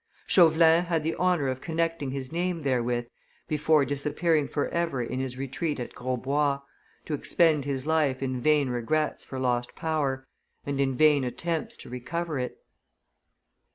Chauvelin had the honor of connecting his name therewith before disappearing forever in his retreat at Grosbois, to expend his life in vain regrets for lost power, and in vain attempts to recover it.